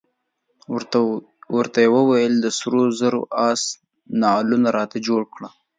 ورته یې وویل د سرو زرو د آس نعلونه راته جوړ کړه.